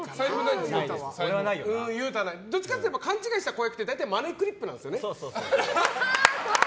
どっちかっていえば勘違いした子役って大体マネークリップなんですよね。